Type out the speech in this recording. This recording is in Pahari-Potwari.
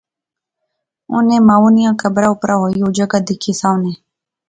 انی مائو نیاں قبرا اپرا ہوئی او جگہ دیکھی ساونے